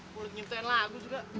boleh nyiptain lagu juga